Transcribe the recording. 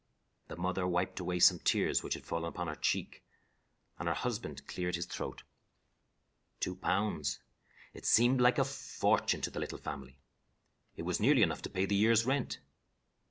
The mother wiped away some tears which had fallen upon her cheek, and her husband cleared his throat. Two pounds! It seemed like a fortune to the little family. It was nearly enough to pay the year's rent.